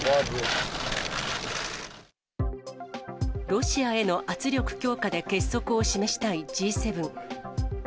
ロシアへの圧力強化で結束を示したいＧ７。